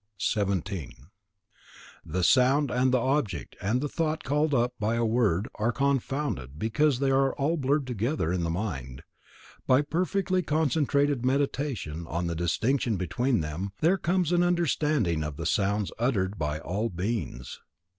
17. The sound and the object and the thought called up by a word are confounded because they are all blurred together in the mind. By perfectly concentrated Meditation on the distinction between them, there comes an understanding of the sounds uttered by all beings.